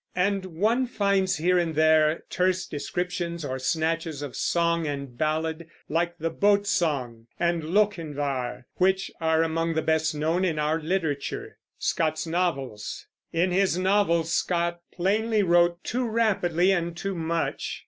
And one finds here and there terse descriptions, or snatches of song and ballad, like the "Boat Song" and "Lochinvar," which are among the best known in our literature. In his novels Scott plainly wrote too rapidly and too much.